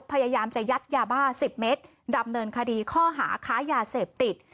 พยายามจะยัดยาบ้า๑๐เมตรดำเนินคดีข้อหาค้ายาเสพติด